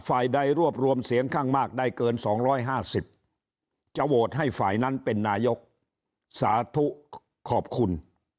ฝ่ายใดรวบรวมเสียงข้างมากได้เกิน๒๕๐จะโหวตให้ฝ่ายนั้นเป็นนายกสาธุขอบคุณ